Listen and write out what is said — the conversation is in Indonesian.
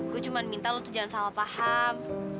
gue cuma minta lo tuh jangan salah paham